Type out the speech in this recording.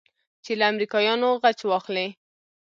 چې له امريکايانو غچ واخلې.